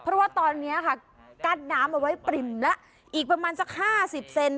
เพราะว่าตอนนี้ค่ะกั้นน้ำเอาไว้ปริ่มแล้วอีกประมาณสักห้าสิบเซน